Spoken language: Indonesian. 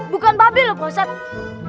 bukan babi loh pak ustadz